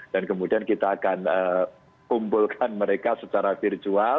dan kemudian kita akan kumpulkan mereka secara virtual